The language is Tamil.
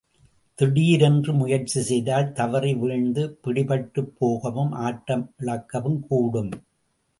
திடீரென்று முயற்சி செய்தால் தவறி வீழ்ந்து, பிடிபட்டுப் போகவும் ஆட்டமிழக்கவும் கூடும்.